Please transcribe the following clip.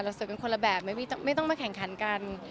สวยกันคนละแบบไม่ต้องมาแข่งขันกัน